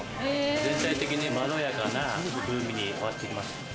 全体的にまろやかな風味に変わってきます。